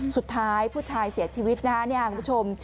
สุดท้ายผู้ชายเสียชีวิตนะคุณผู้ชม